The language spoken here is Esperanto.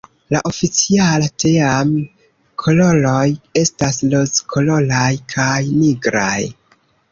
La oficiala team-koloroj estas rozkoloraj kaj nigraj.